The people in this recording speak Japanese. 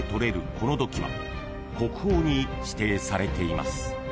この土器は国宝に指定されています］